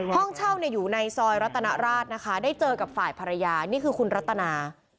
ห้องเช่าอยู่ในซอยรัตนราชนะคะได้เจอกับฝ่ายภรรยานี่คือคุณรัตนา